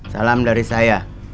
salam dari saya